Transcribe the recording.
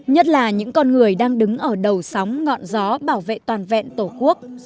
nhất là những con người đang đứng ở đầu sóng ngọn gió bảo vệ toàn vẹn tổ quốc